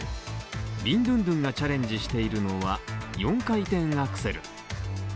ビンドゥンドゥンがチャレンジしているのは４回転アクセル。